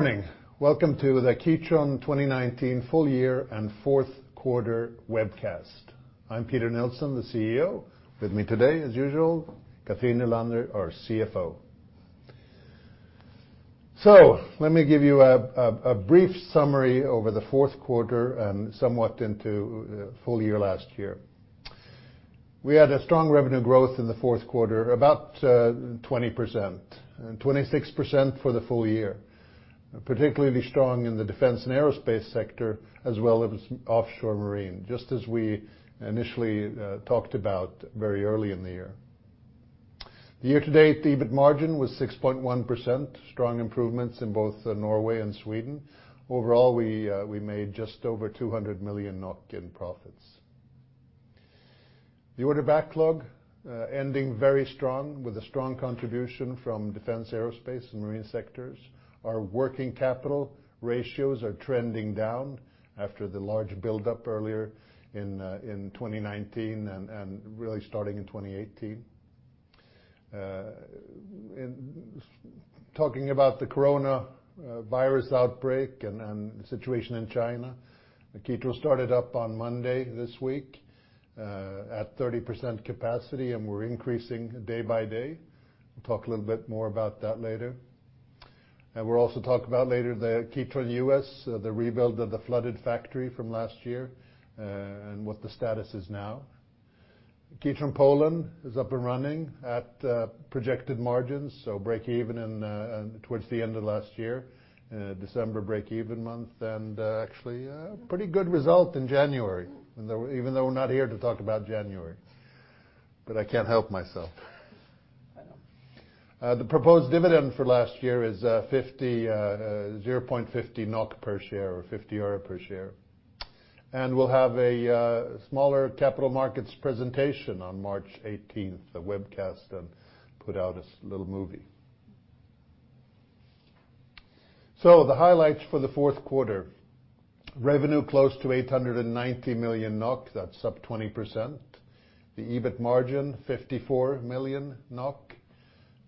Good evening. Welcome to the Kitron 2019 full year and fourth quarter webcast. I'm Peter Nilsson, the CEO. With me today, as usual, Cathrin Nylander, our CFO. Let me give you a brief summary over the fourth quarter and somewhat into full year last year. We had a strong revenue growth in the fourth quarter, about 20%, and 26% for the full year. Particularly strong in the defense and aerospace sector, as well as offshore marine, just as we initially talked about very early in the year. The year-to-date EBIT margin was 6.1%, strong improvements in both Norway and Sweden. Overall, we made just over 200 million NOK in profits. The order backlog ending very strong with a strong contribution from defense, aerospace and marine sectors. Our working capital ratios are trending down after the large buildup earlier in 2019 and really starting in 2018. talking about the coronavirus outbreak and situation in China, Kitron started up on Monday this week at 30% capacity, and we're increasing day by day. We'll talk a little bit more about that later. we'll also talk about later the Kitron U.S., the rebuild of the flooded factory from last year, and what the status is now. Kitron Poland is up and running at projected margins, so break even towards the end of last year, December break-even month, and actually a pretty good result in January, even though we're not here to talk about January. I can't help myself. I know. The proposed dividend for last year is 0.50 NOK per share or 0.50 euro per share. We'll have a smaller capital markets presentation on March 18th, a webcast, and put out a little movie. The highlights for the fourth quarter, revenue close to 890 million NOK, that's up 20%. The EBIT margin 54 million NOK,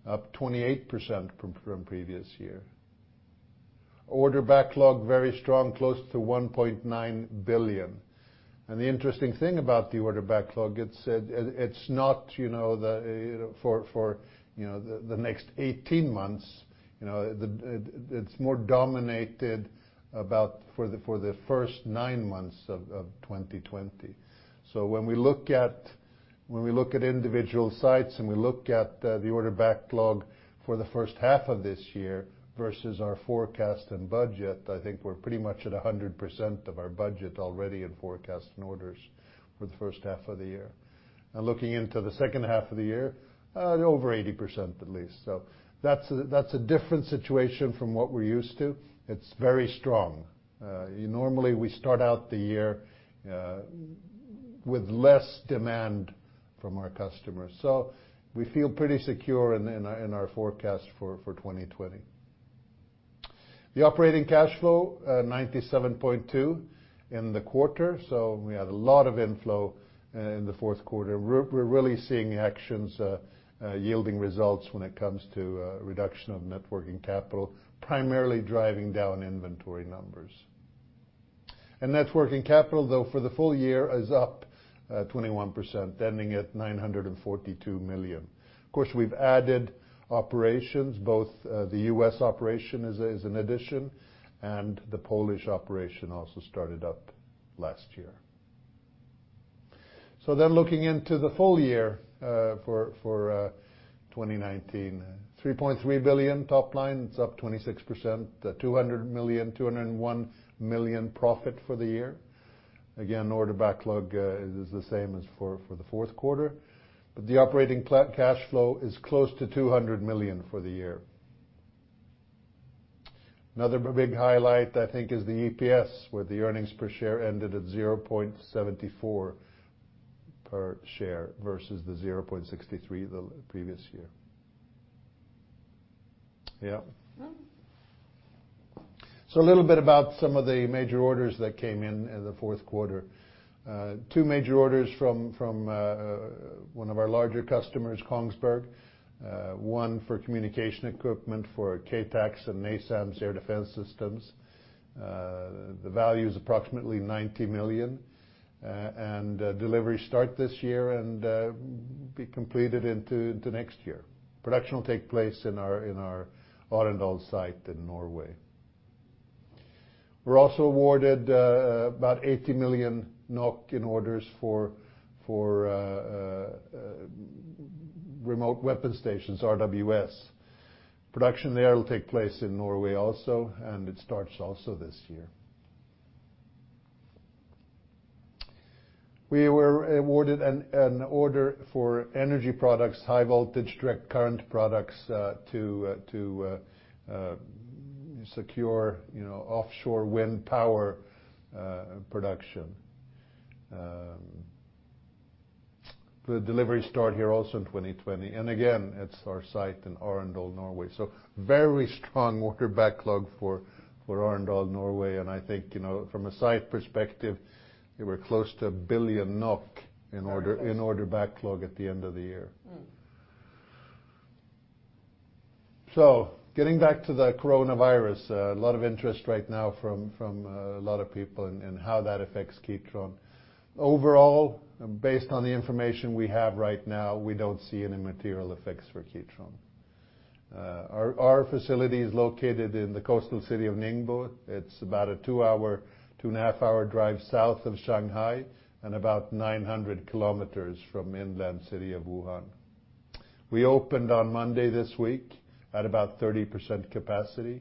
up 28% from previous year. Order backlog very strong, close to 1.9 billion. The interesting thing about the order backlog, it's not, you know, the next 18 months. You know, it's more dominated about for the first 9 months of 2020. When we look at individual sites and we look at the order backlog for the first half of this year versus our forecast and budget, I think we're pretty much at 100% of our budget already in forecast and orders for the first half of the year. Looking into the second half of the year, over 80% at least. That's a different situation from what we're used to. It's very strong. Normally, we start out the year with less demand from our customers. We feel pretty secure in our forecast for 2020. The operating cash flow, 97.2 in the quarter. We had a lot of inflow in the fourth quarter. We're really seeing actions yielding results when it comes to reduction of net working capital, primarily driving down inventory numbers. Net working capital, though, for the full year is up 21%, ending at 942 million. Of course, we've added operations, both, the U.S. operation is an addition, and the Polish operation also started up last year. Looking into the full year 2019, 3.3 billion top line, it's up 26%. 200 million, 201 million profit for the year. Again, order backlog is the same as for the fourth quarter. The operating cash flow is close to 200 million for the year. Another big highlight, I think, is the EPS, where the earnings per share ended at 0.74 per share versus 0.63 the previous year. Yeah. A little bit about some of the major orders that came in in the fourth quarter. Two major orders from one of our larger customers, Kongsberg. One for communication equipment for K-TaCS and NASAMS Air Defense Systems. The value is approximately 90 million. Delivery start this year and be completed into the next year. Production will take place in our Arendal site in Norway. We're also awarded about 80 million NOK in orders for remote weapon stations, RWS. Production there will take place in Norway also, and it starts also this year. We were awarded an order for energy products, High-voltage direct current products, to secure, you know, offshore wind power production. The delivery start here also in 2020. Again, it's our site in Arendal, Norway. Very strong order backlog for Arendal, Norway. I think, you know, from a site perspective, we're close to 1 billion NOK. Very close. In order backlog at the end of the year. Getting back to the coronavirus, a lot of interest right now from a lot of people and how that affects Kitron. Overall, based on the information we have right now, we don't see any material effects for Kitron. Our facility is located in the coastal city of Ningbo. It's about a two-hour, 2.5-hour drive south of Shanghai and about 900 km from inland city of Wuhan. We opened on Monday this week at about 30% capacity.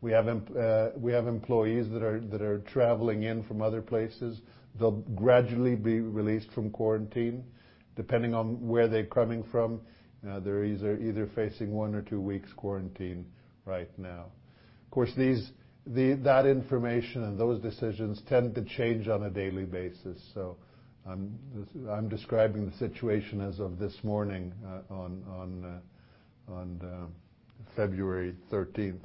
We have employees that are traveling in from other places. They'll gradually be released from quarantine. Depending on where they're coming from, they're either facing one or two weeks quarantine right now. Of course, these, that information and those decisions tend to change on a daily basis, so I'm describing the situation as of this morning, on February 13th.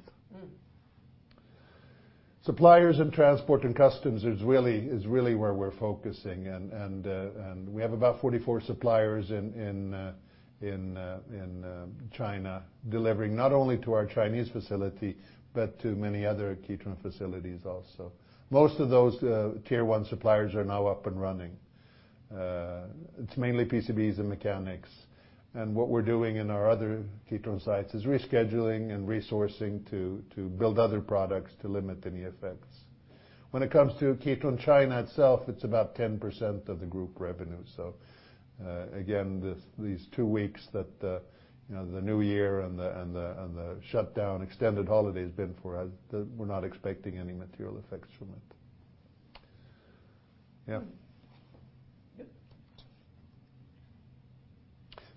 Suppliers and transport and customs is really where we're focusing. We have about 44 suppliers in China delivering not only to our Chinese facility, but to many other Kitron facilities also. Most of those tier one suppliers are now up and running. It's mainly PCBs and mechanics. What we're doing in our other Kitron sites is rescheduling and resourcing to build other products to limit any effects. When it comes to Kitron China itself, it's about 10% of the group revenue. Again, these two weeks that, you know, the New Year and the shutdown, extended holiday has been for us, we're not expecting any material effects from it. Yeah.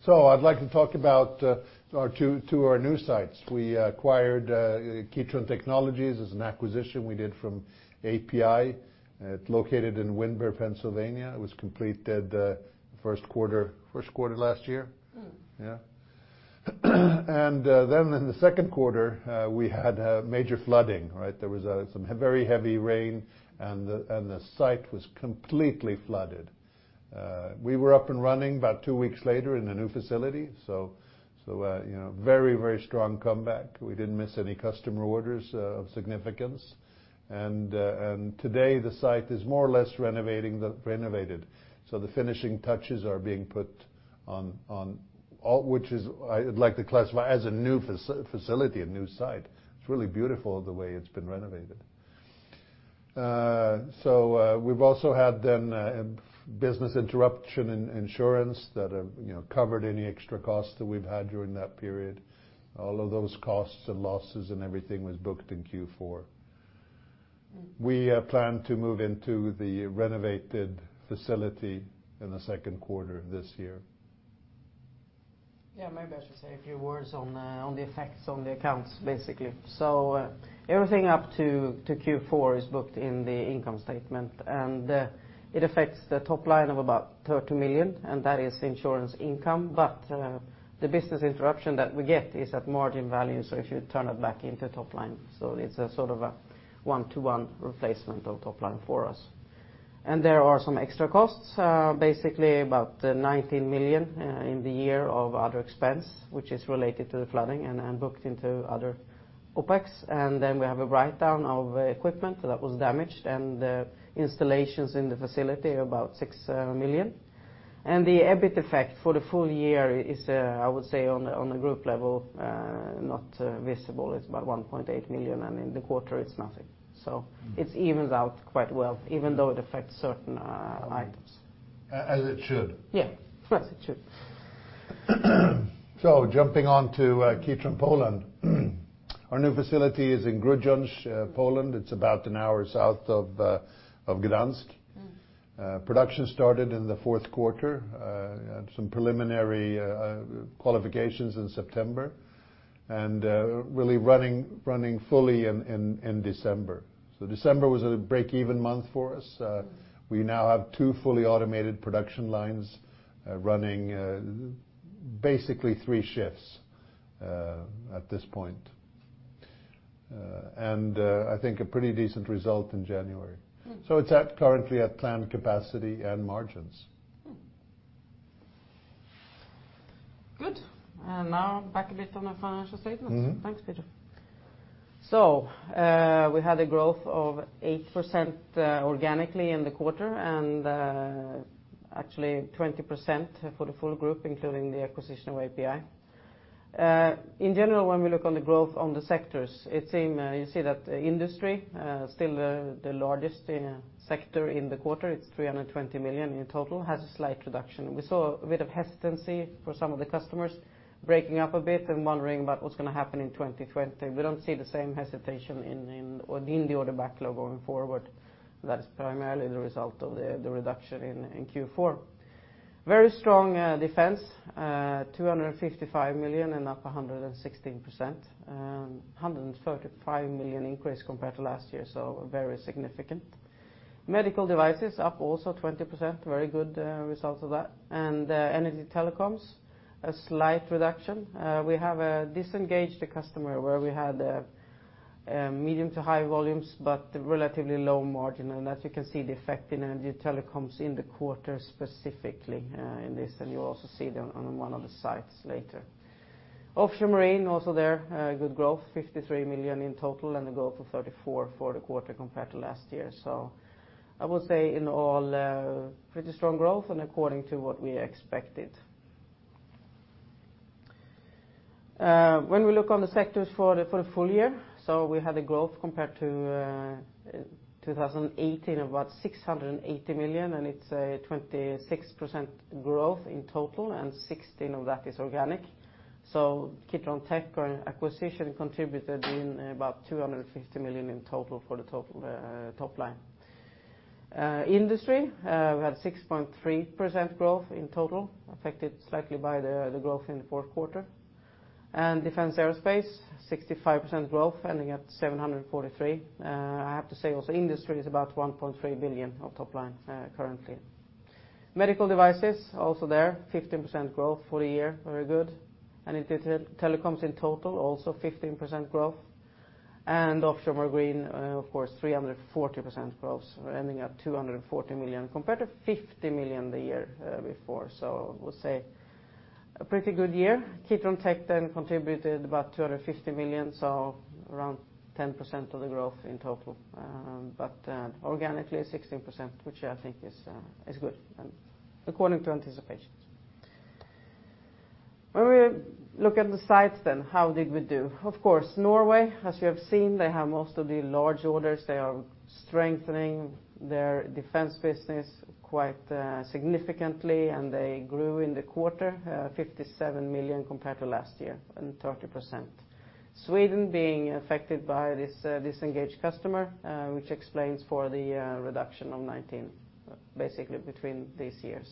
Good. I'd like to talk about two of our new sites. We acquired Kitron Technologies as an acquisition we did from API. It's located in Windber, Pennsylvania. It was completed first quarter last year. Yeah. Then in the second quarter, we had a major flooding, right? There was some very heavy rain, and the site was completely flooded. We were up and running about two weeks later in a new facility, so you know, very strong comeback. We didn't miss any customer orders of significance. Today, the site is more or less renovated. The finishing touches are being put on all which is I would like to classify as a new facility, a new site. It's really beautiful the way it's been renovated. We've also had business interruption and insurance that have, you know, covered any extra costs that we've had during that period. All of those costs and losses and everything was booked in Q4. We plan to move into the renovated facility in the second quarter of this year. Yeah, maybe I should say a few words on the effects on the accounts, basically. Everything up to Q4 is booked in the income statement, and it affects the top line of about 30 million, and that is insurance income. The business interruption that we get is at margin value, so if you turn it back into top line. It's a sort of a one-to-one replacement of top line for us. There are some extra costs, basically about 19 million in the year of other expense, which is related to the flooding and booked into other OpEx. Then we have a write-down of equipment that was damaged and installations in the facility are about 6 million. The EBIT effect for the full year is, I would say on the, on the group level, not visible. It's about 1.8 million, and in the quarter, it's nothing. It evens out quite well, even though it affects certain items. As it should. Yeah, as it should. Jumping on to Kitron Poland. Our new facility is in Grudziądz, Poland. It's about an hour south of Gdansk. Production started in the fourth quarter, had some preliminary qualifications in September, and really running fully in December. December was a break-even month for us. We now have two fully automated production lines, running basically three shifts at this point. I think a pretty decent result in January. It's at currently at planned capacity and margins. Good. Now back a bit on the financial statements. Thanks, Peter. We had a growth of 8% organically in the quarter and actually 20% for the full group, including the acquisition of API. In general, when we look on the growth on the sectors, it seem, you see that Industry still the largest sector in the quarter. It's 320 million in total, has a slight reduction. We saw a bit of hesitancy for some of the customers breaking up a bit and wondering about what's gonna happen in 2020. We don't see the same hesitation in the order backlog going forward. That is primarily the result of the reduction in Q4. Very strong Defense, 255 million and up 116%, 135 million increase compared to last year, so very significant. Medical Devices up also 20%, very good results of that. Energy & Telecoms, a slight reduction. We have disengaged a customer where we had medium to high volumes, but relatively low margin, and as you can see, the effect in Energy & Telecoms in the quarter specifically, in this, and you will also see them on one of the sites later. Offshore Marine, also there, good growth, 53 million in total, and a growth of 34% for the quarter compared to last year. I will say in all, pretty strong growth and according to what we expected. When we look on the sectors for the full year, we had a growth compared to 2018, about 680 million, and it's a 26% growth in total, and 16% of that is organic. Kitron Tech acquisition contributed in about 250 million in total for the total top line. Industry, we had 6.3% growth in total, affected slightly by the growth in the fourth quarter. Defense & Aerospace, 65% growth, ending at 743 million. I have to say also Industry is about 1.3 billion of top line currently. Medical Devices, also there, 15% growth for the year, very good. In Tele-Telecoms in total, also 15% growth. Offshore Marine, of course 340% growth, ending at 240 million compared to 50 million the year before. I would say a pretty good year. Kitron Tech contributed about 250 million, so around 10% of the growth in total. Organically 16%, which I think is good and according to anticipations. When we look at the sites, how did we do? Of course, Norway, as you have seen, they have most of the large orders. They are strengthening their defense business quite significantly, and they grew in the quarter 57 million compared to last year, and 30%. Sweden being affected by this disengaged customer, which explains for the reduction of 19%, basically between these years.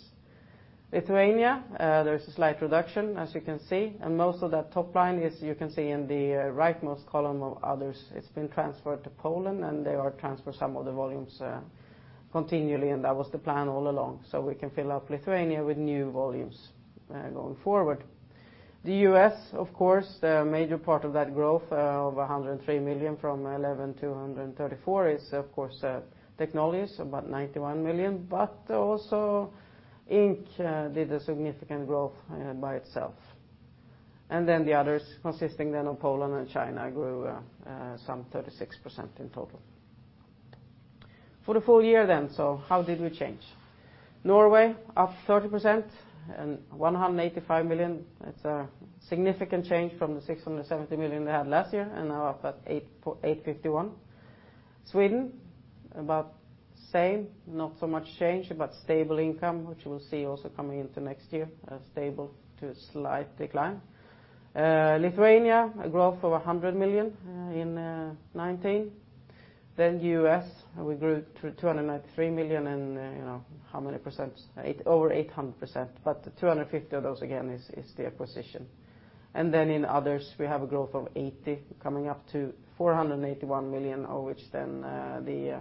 Lithuania, there's a slight reduction, as you can see, and most of that top line is, you can see in the rightmost column of Others, it's been transferred to Poland, and they are transfer some of the volumes continually, and that was the plan all along. We can fill up Lithuania with new volumes going forward. The U.S., of course, the major part of that growth, of 103 million from 11 to 134 is, of course, Technology, about 91 million, but also Inc. did a significant growth by itself. The Others consisting then of Poland and China grew some 36% in total. For the full year, how did we change? Norway, up 30% and 185 million. It's a significant change from the 670 million they had last year, and now up at 851. Sweden, about same, not so much change, but stable income, which we'll see also coming into next year, stable to slight decline. Lithuania, a growth of 100 million in 2019. U.S., we grew to 293 million, and, you know, how many percents? Over 800%, 250 of those, again, is the acquisition. In Others, we have a growth of 80 coming up to 481 million, of which the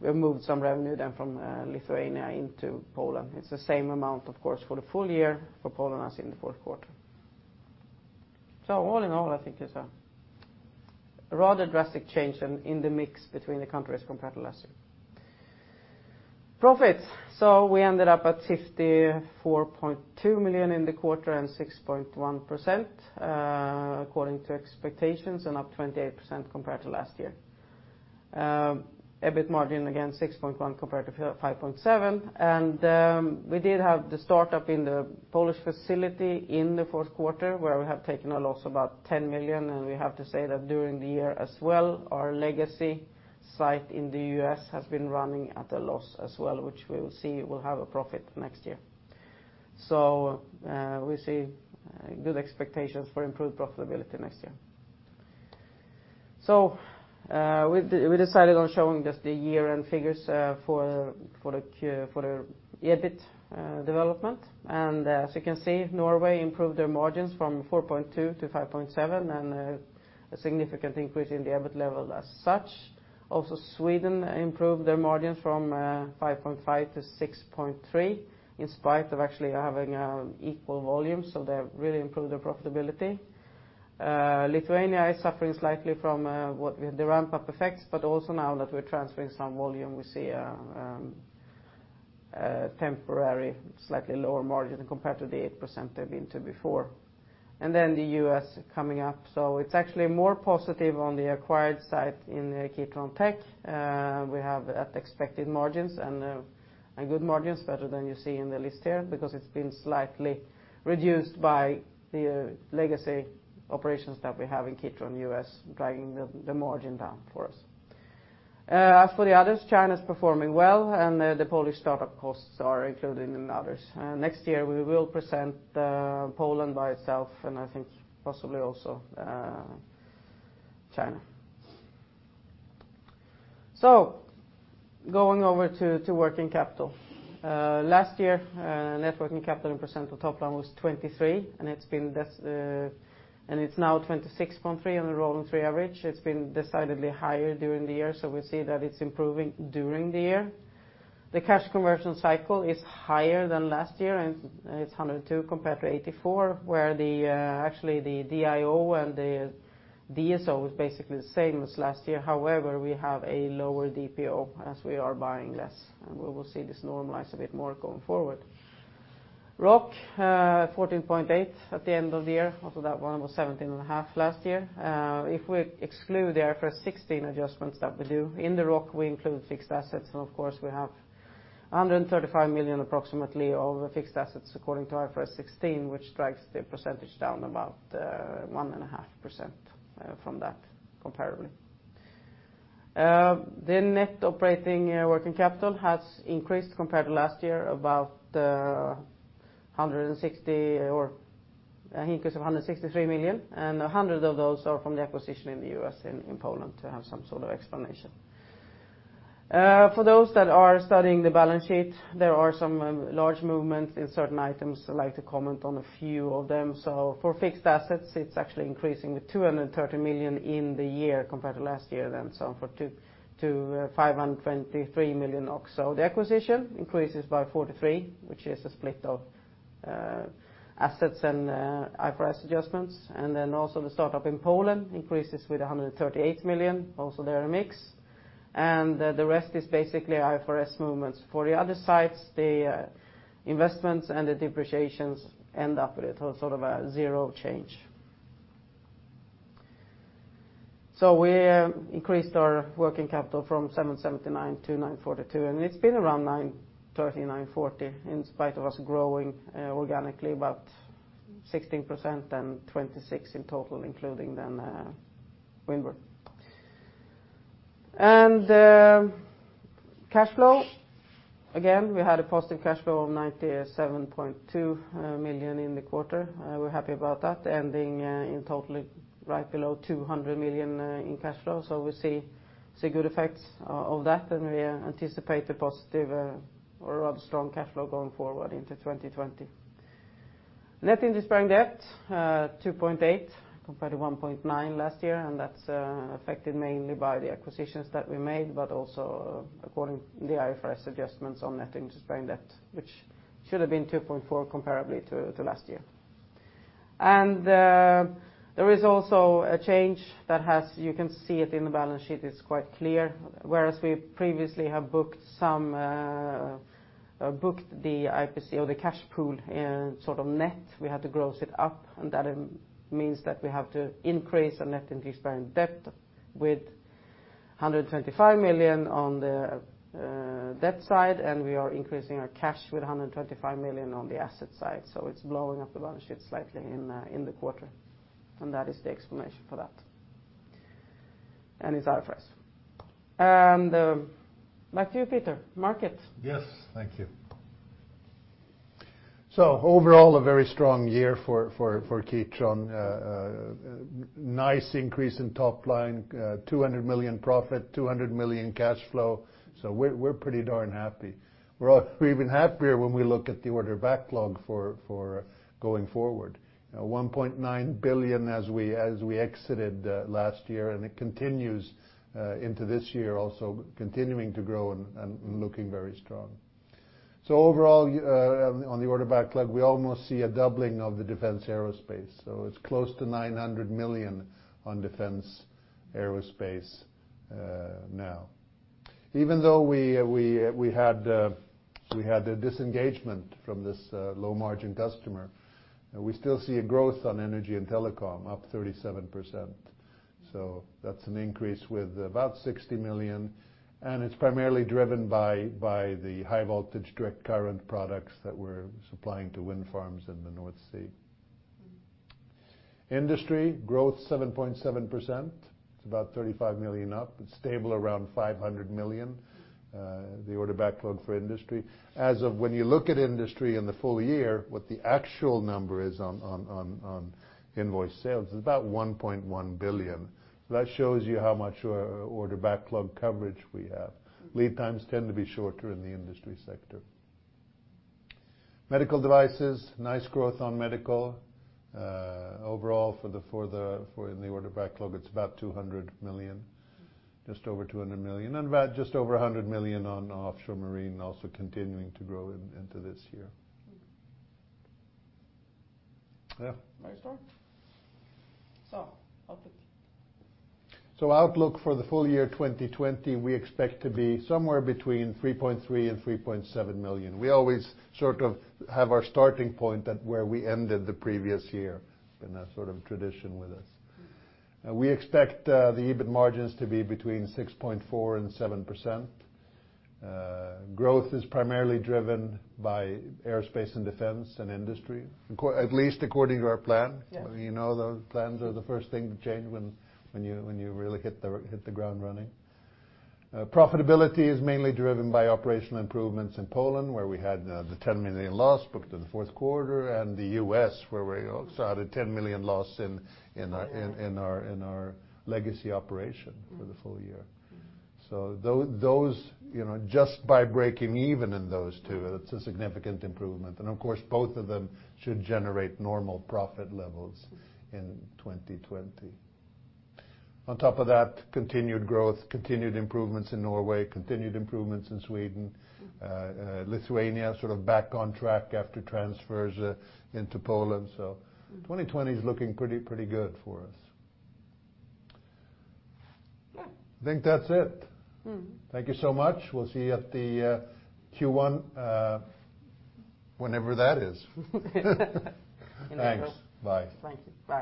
we moved some revenue down from Lithuania into Poland. It's the same amount, of course, for the full year for Poland as in the fourth quarter. All in all, I think it's a rather drastic change in the mix between the countries compared to last year. Profit, we ended up at 54.2 million in the quarter and 6.1% according to expectations and up 28% compared to last year. EBIT margin, again, 6.1% compared to 5.7%. We did have the startup in the Polish facility in the fourth quarter, where we have taken a loss about 10 million. We have to say that during the year as well, our legacy site in the U.S. has been running at a loss as well, which we will see will have a profit next year. We see good expectations for improved profitability next year. We decided on showing just the year-end figures for the EBIT development. As you can see, Norway improved their margins from 4.2% to 5.7%, a significant increase in the EBIT level as such. Also, Sweden improved their margins from 5.5% to 6.3% in spite of actually having equal volume. They have really improved their profitability. Lithuania is suffering slightly from, what, the ramp-up effects, but also now that we're transferring some volume, we see a temporary slightly lower margin compared to the 8% they've been to before. The U.S. coming up, so it's actually more positive on the acquired side in Kitron Tech. We have at expected margins and good margins, better than you see in the list here, because it's been slightly reduced by the legacy operations that we have in Kitron U.S., dragging the margin down for us. As for the Others, China's performing well, and the Polish startup costs are included in Others. Next year, we will present Poland by itself, and I think possibly also China. Going over to working capital. Last year, net working capital and percent of top line was 23%, and it's now 26.3% on a rolling three average. It's been decidedly higher during the year, so we see that it's improving during the year. The cash conversion cycle is higher than last year and it's 102 compared to 84, where actually the DIO and the DSO is basically the same as last year. We have a lower DPO as we are buying less. We will see this normalize a bit more going forward. ROC, 14.8% at the end of the year after that one was 17.5% last year. If we exclude the IFRS 16 adjustments that we do, in the ROC we include fixed assets and of course we have 135 million approximately of the fixed assets according to IFRS 16, which drags the percentage down about 1.5% from that comparably. The net operating working capital has increased compared to last year about 160 million or an increase of 163 million. 100 million of those are from the acquisition in the U.S. and in Poland to have some sort of explanation. For those that are studying the balance sheet, there are some large movements in certain items. I'd like to comment on a few of them. For fixed assets, it's actually increasing with 230 million in the year compared to last year then to 523 million. OK. The acquisition increases by 43, which is a split of assets and IFRS adjustments. Then also the start-up in Poland increases with 138 million, also, they're a mix. The rest is basically IFRS movements. For the other sites, the investments and the depreciations end up with a sort of a zero change. We increased our working capital from 779 to 942, and it's been around 930, 940 in spite of us growing organically about 16% and 26% in total, including then Windber. Cash flow, again, we had a positive cash flow of 97.2 million in the quarter. We're happy about that, ending in total right below 200 million in cash flow. We see good effects of that, and we anticipate a positive or a strong cash flow going forward into 2020. Net interest-bearing debt, 2.8 compared to 1.9 last year, and that's affected mainly by the acquisitions that we made, but also according the IFRS adjustments on Net interest-bearing debt, which should have been 2.4 comparably to last year. There is also a change that you can see it in the balance sheet, it's quite clear. Whereas we previously have booked some, or booked the IPC or the cash pool, sort of net, we had to gross it up, and that means that we have to increase our Net interest-bearing debt with 125 million on the debt side, and we are increasing our cash with 125 million on the asset side. It's blowing up the balance sheet slightly in the quarter. That is the explanation for that. It's IFRS. Back to you, Peter, markets. Yes, thank you. Overall, a very strong year for Kitron. Nice increase in top line, 200 million profit, 200 million cash flow, so we're pretty darn happy. We're even happier when we look at the order backlog for going forward. 1.9 billion as we exited last year, and it continues into this year also continuing to grow and looking very strong. Overall, on the order backlog, we almost see a doubling of the defense aerospace. It's close to 900 million on defense aerospace now. Even though we had a disengagement from this low-margin customer, we still see a growth on Energy and Telecom, up 37%. That's an increase with about 60 million, and it's primarily driven by the High-voltage direct current products that we're supplying to wind farms in the North Sea. Industry growth 7.7%. It's about 35 million up. It's stable around 500 million, the order backlog for Industry. As of when you look at Industry in the full year, what the actual number is on, on invoice sales is about 1.1 billion. That shows you how much order backlog coverage we have. Lead times tend to be shorter in the Industry sector. Medical devices, nice growth on medical. Overall for in the order backlog, it's about 200 million, just over 200 million. About just over 100 million on offshore marine, also continuing to grow into this year. Yeah. Very strong. Outlook. Outlook for the full year 2020, we expect to be somewhere between 3.3 million and 3.7 million. We always sort of have our starting point at where we ended the previous year, been a sort of tradition with us. We expect the EBIT margins to be between 6.4% and 7%. Growth is primarily driven by aerospace and defense and Industry, at least according to our plan. Yes. You know, the plans are the first thing to change when you, when you really hit the, hit the ground running. Profitability is mainly driven by operational improvements in Poland, where we had the 10 million loss booked in the fourth quarter, and the U.S. where we also had a 10 million loss in our legacy operation for the full year. Those, you know, just by breaking even in those two, that's a significant improvement. Of course, both of them should generate normal profit levels in 2020. On top of that, continued growth, continued improvements in Norway, continued improvements in Sweden. Lithuania sort of back on track after transfers into Poland. 2020 is looking pretty good for us. Yeah. I think that's it. Thank you so much. We'll see you at the Q1, whenever that is. In April. Thanks. Bye. Thank you. Bye.